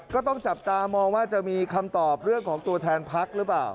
ก็ต้องจับตามองว่าจะมีคำตอบเรื่องของตัวแทนพักหรือเปล่า